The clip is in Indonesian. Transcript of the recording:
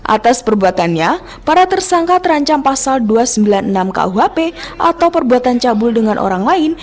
atas perbuatannya para tersangka terancam pasal dua ratus sembilan puluh enam kuhp atau perbuatan cabul dengan orang lain